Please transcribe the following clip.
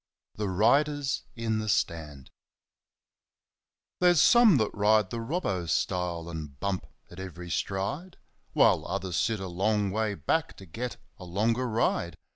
P. The Riders in the Stand There's some that ride the Robbo style, and bump at every stride; While others sit a long way back, to get a longer ride.